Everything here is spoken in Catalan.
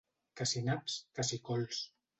Que si naps, que si cols.